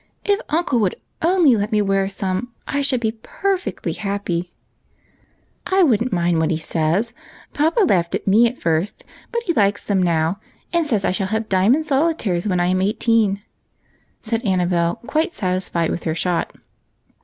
If uncle would only let me wear some^ i should ioe perfectly happy." " I would n't mind what he says. Papa laughed at me at first, but he likes them now, and says I shall have diamond solitaires when I am eighteen," said Annabel, quite satisfied with her shot.